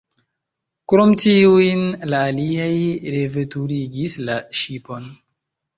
Krom tiujn, la aliaj reveturigis la ŝipon.